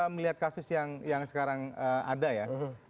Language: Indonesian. melihat kasus yang sekarang ada ya